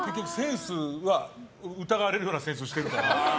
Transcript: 疑われるようなセンスをしてるから。